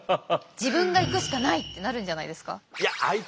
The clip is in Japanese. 自分が行くしかないってなるんじゃないですか？